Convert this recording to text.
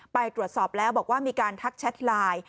ไปตรวจสอบแล้วบอกว่ามีการทักแชทไลน์